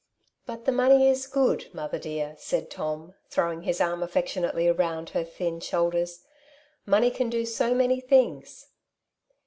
.'^ But the money is good, mother dear, said Tom, throwing his arm affectionately round her thin shoulders. *' Money can do so many things.